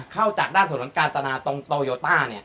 เข้าจากด้านถนนกาศนาตรงโตโยต้าเนี่ย